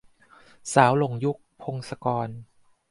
สาวหลงยุค - พงศกร